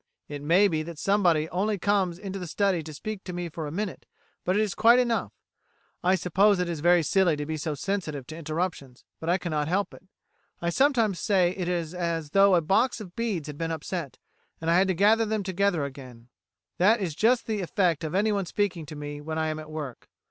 It may be that somebody only comes into the study to speak to me for a minute, but it is quite enough. I suppose it is very silly to be so sensitive to interruptions, but I cannot help it. I sometimes say it is as though a box of beads had been upset, and I had to gather them together again; that is just the effect of anyone speaking to me when I am at work.